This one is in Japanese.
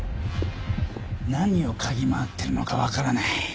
何を嗅ぎ回ってるのか分からない。